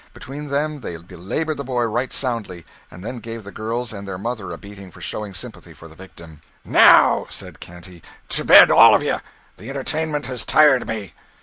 Between them they belaboured the boy right soundly, and then gave the girls and their mother a beating for showing sympathy for the victim. "Now," said Canty, "to bed, all of ye. The entertainment has tired me."